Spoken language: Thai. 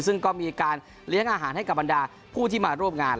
ซึ่งก็มีการเลี้ยงอาหารให้กับบรรดาผู้ที่มาร่วมงาน